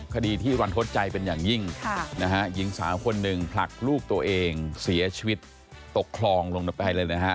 คดีที่รันทดใจเป็นอย่างยิ่งนะฮะหญิงสาวคนหนึ่งผลักลูกตัวเองเสียชีวิตตกคลองลงไปเลยนะฮะ